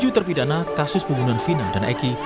tujuh terpidana kasus pembunuhan vina dan eki